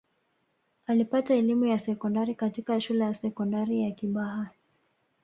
alipata elimu ya sekondari katika shule ya sekondari ya kibaha